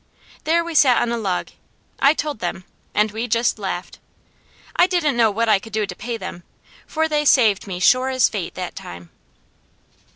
There we sat on a log, I told them, and we just laughed. I didn't know what I could do to pay them, for they saved me sure as fate that time.